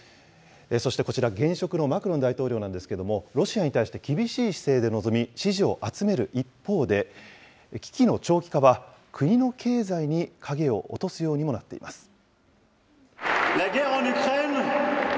そしてこちら、現職のマクロン大統領なんですけれども、ロシアに対して厳しい姿勢で臨み、支持を集める一方で、危機の長期化は、国の経済に影を落とすようにもなっています。